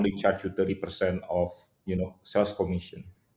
kita hanya akan membeli tiga puluh dari komisi jualan